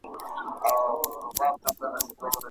ماشوم د انا په کلکو منگولو کې راگیر شوی و.